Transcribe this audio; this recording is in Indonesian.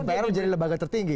mpr menjadi lembaga tertinggi